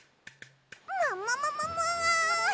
ももももも！